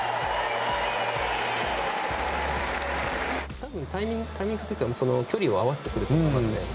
多分、タイミングというか距離を合わせてくると思いますね。